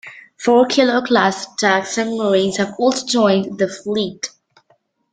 Four Kilo class attack submarines have also joined the fleet.